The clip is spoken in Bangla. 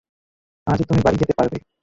আজ তুমি বাড়ি যেতে পারবে।